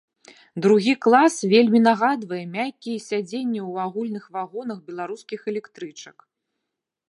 Другі клас вельмі нагадвае мяккія сядзенні ў агульных вагонах беларускіх электрычак.